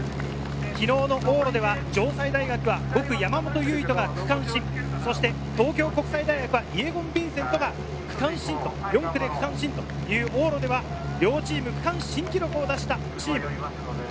昨日の往路では城西大学は５区・山本唯翔が区間新、東京国際大学はイェゴン・ヴィンセントが区間新、４区で区間新という、往路では両チーム区間新記録を出したチーム。